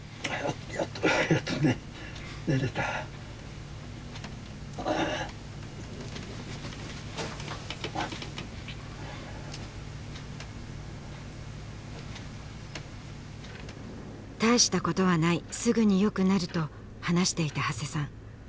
やっとね寝れた「たいしたことはないすぐによくなる」と話していた長谷さん